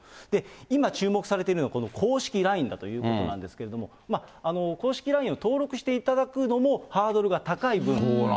今注目されているのが、この公式ＬＩＮＥだということなんですけれども、公式ＬＩＮＥを登録していただくのもハードルが高い分。